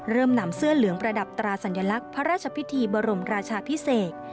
นำเสื้อเหลืองประดับตราสัญลักษณ์พระราชพิธีบรมราชาพิเศษ